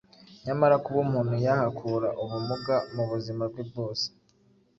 nyamara kuba umuntu yahakura ubumuga mu buzima bwe bwose